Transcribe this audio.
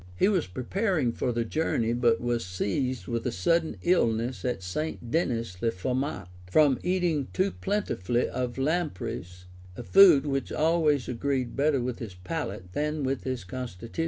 He was preparing for the journey, but was seized with a sudden illness at St. Dennis le Forment, from eating too plentifully of lampreys, a food which always agreed better with his palate than his constitution.